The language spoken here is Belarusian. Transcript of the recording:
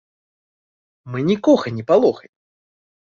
Мы нікога не палохаем.